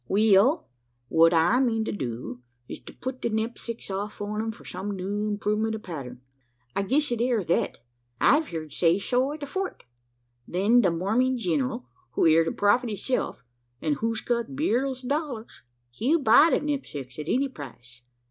We ell, what I mean to do is to put the knepsacks off on 'em for some new improvement o' pattern. I guess it air thet I've heerd say so at the Fort then the Morming jineral, who air the prophet hisself, an' who's got berrls o' dollars he'll buy the knepsacks at any price.